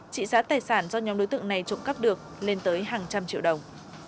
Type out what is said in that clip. trị giá tài sản do nhóm đối tượng này trộm cắp được lên tới hàng trăm triệu đồng